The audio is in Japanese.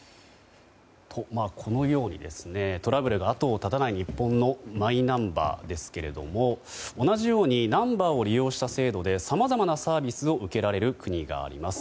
このようにトラブルが後を絶たない日本のマイナンバーですけれども同じようにナンバーを利用した制度でさまざまなサービスを受けられる国があります。